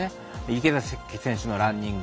池崎選手のランニング。